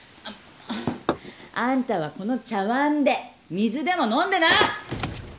あんたはこの茶わんで水でも飲んでな！